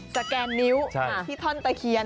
แกนนิ้วที่ท่อนตะเคียน